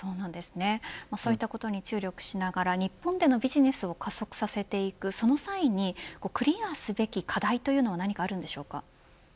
そういったことに注力しながら日本でのビジネスを加速させていくその際にクリアすべき課題というのは何かあるんでしょうか。